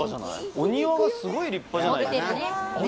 お庭がすごい立派じゃないですか。